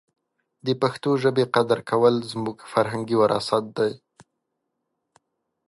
د پښتو ژبې قدر کول زموږ فرهنګي وراثت دی.